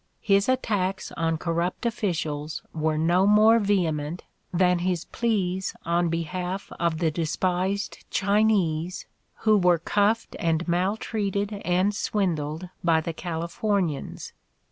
His attacks on corrupt officials were no more vehement than his pleas on behalf of the despised Chinese, who were cuffed and maltreated and swindled by the Californians.